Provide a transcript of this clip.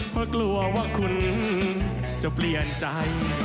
เพราะกลัวว่าคุณจะเปลี่ยนใจ